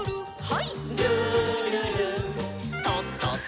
はい。